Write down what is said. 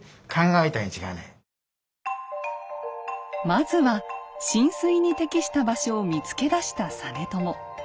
まずは進水に適した場所を見つけ出した実朝。